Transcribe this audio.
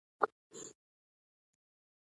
د یتیمانو په سر یې لاس ونیو